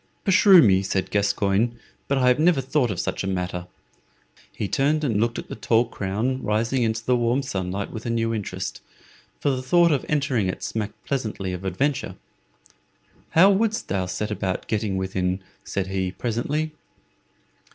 "Beshrew me," said Gascoyne, "but I have never thought of such a matter." He turned and looked at the tall crown rising into the warm sunlight with a new interest, for the thought of entering it smacked pleasantly of adventure. "How wouldst thou set about getting within?" said he, presently.